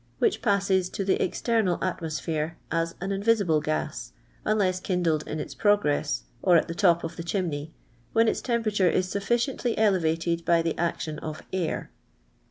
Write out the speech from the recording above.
wiiich passes to the external atmosphere as an invisible gis, unless kindled in its progress, or at the top of the chimney, when its tempen ture is sutliciently el vatei by the action of air.